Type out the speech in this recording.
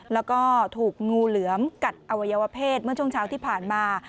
แล้วก็ถูกงูเหลือมกัดอวัยวเพศเมื่อช่วงเช้าที่ผ่านมา